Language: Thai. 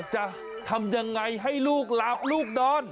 จะทำอย่างไรให้ลูกหลาบลูกดอน